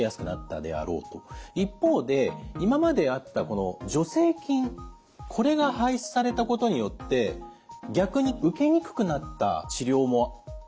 一方で今まであったこの助成金これが廃止されたことによって逆に受けにくくなった治療もあるようだということですね。